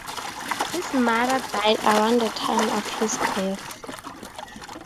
His mother died around the time of his birth.